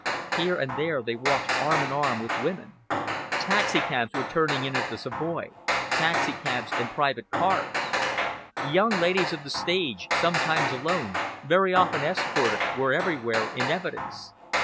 Here and there they walked arm in arm with women. Taxicabs were turning in at the Savoy, taxicabs and private cars. Young ladies of the stage, sometimes alone, very often escorted, were everywhere in evidence.